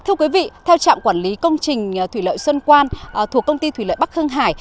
thưa quý vị theo trạm quản lý công trình thủy lợi xuân quan thuộc công ty thủy lợi bắc hưng hải